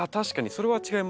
それは違いますね。